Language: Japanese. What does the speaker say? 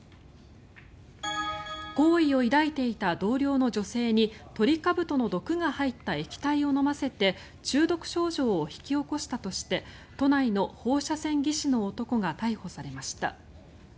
好意を抱いていた同僚の女性にトリカブトの毒が入った液体を飲ませて中毒症状を引き起こしたとして都内の放射線技師の男が逮捕されました。